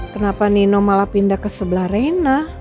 kenapa nino malah pindah ke sebelah reina